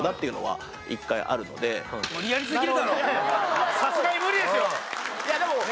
たぶんさすがに無理ですよ